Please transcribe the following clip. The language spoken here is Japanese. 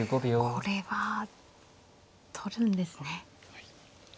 これは取るんですね。